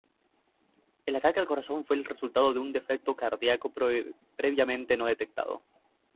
El ataque al corazón fue el resultado de un defecto cardíaco previamente no detectado.